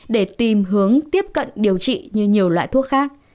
để tìm hướng tiếp cận điều trị như nhiều loại thuốc khác